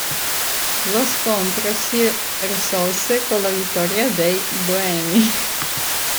Lo scontro si risolse con la vittoria dei boemi.